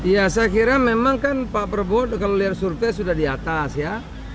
ya saya kira memang kan pak prabowo kalau lihat survei sudah di atas ya